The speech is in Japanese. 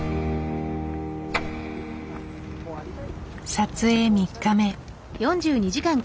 撮影３日目。